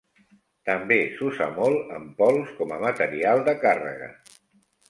També s'usa mòlt en pols com a material de càrrega.